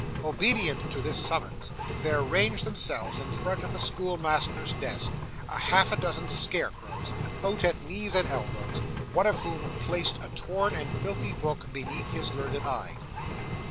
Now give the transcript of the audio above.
Obedient to this summons there ranged themselves in front of the schoolmaster's desk, half a dozen scarecrows, out at knees and elbows, one of whom placed a torn and filthy book beneath his learned eye.